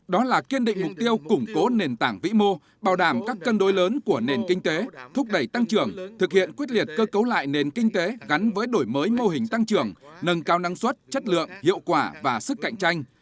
đó là kiên định mục tiêu củng cố nền tảng vĩ mô bảo đảm các cân đối lớn của nền kinh tế thúc đẩy tăng trưởng thực hiện quyết liệt cơ cấu lại nền kinh tế gắn với đổi mới mô hình tăng trưởng nâng cao năng suất chất lượng hiệu quả và sức cạnh tranh